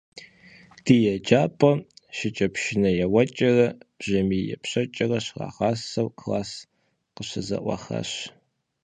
Ди еджапӏэм шыкӏэпшынэ еуэкӏэрэ, бжьэмий епщэкӏэрэ щрагъасэу класс къыщызэӏуахащ.